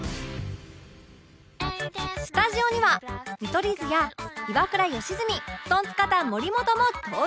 スタジオには見取り図やイワクラ吉住トンツカタン森本も登場！